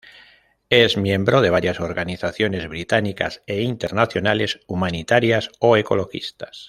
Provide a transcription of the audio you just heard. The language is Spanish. Es miembro de varias organizaciones británicas e internacionales humanitarias o ecologistas.